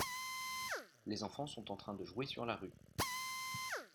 Les enfant sont en train de jouer sur la rue.